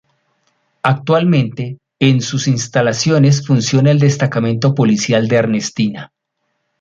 Actualmente, en sus instalaciones funciona el Destacamento Policial de Ernestina.